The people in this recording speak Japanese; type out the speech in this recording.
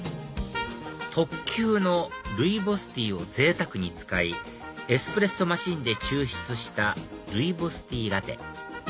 特級のルイボスティーをぜいたくに使いエスプレッソマシンで抽出したルイボスティーラテ